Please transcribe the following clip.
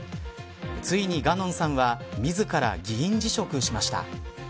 ついに、ガノンさんは自ら議員辞職しました。